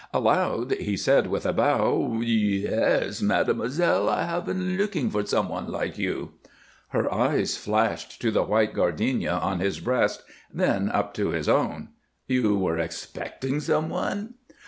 Aloud, he said, with a bow: "Yes, mademoiselle. I have been looking for some one like you." Her eyes flashed to the white gardenia on his breast, then up to his own. "You were expecting some one?"